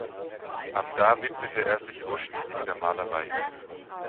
Ab da widmete er sich ausschließlich der Malerei.